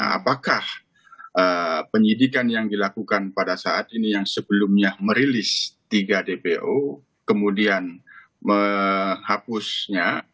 apakah penyidikan yang dilakukan pada saat ini yang sebelumnya merilis tiga dpo kemudian menghapusnya